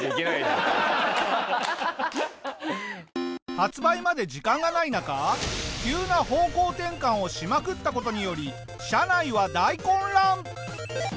発売まで時間がない中急な方向転換をしまくった事により社内は大混乱！